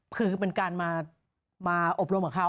คือเป็นการมาอบรมกับเขา